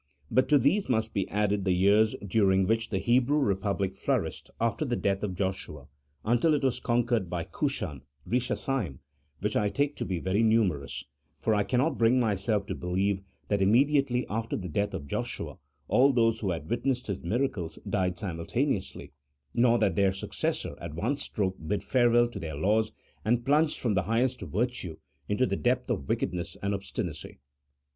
But to these must be added the years during which the Hebrew republic flourished after the death of Joshua, until it was conquered by Cushan BAshathaim, which I take to be very numerous, for I cannot bring myself to believe that immediately after the death of Joshua all those who had witnessed his miracles died simultaneously, nor that their successors at one stroke bid farewell to their laws, and plunged from the highest virtue into the depth of wickedness and obstinacy.